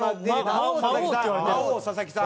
魔王佐々木さん？